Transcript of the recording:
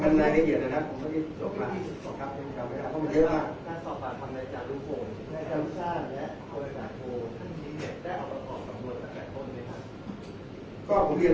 โปรดสอบที่๒มีน่าจะเป็นเวลาเรียกยังติดตามให้ชาลดูกไหนด้วย